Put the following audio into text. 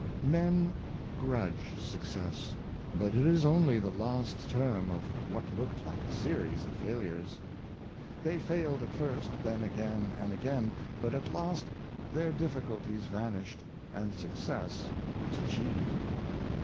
Men grudge success, but it is only the last term of what looked like a series of failures. They failed at first, then again and again, but at last their difficulties vanished, and success was achieved.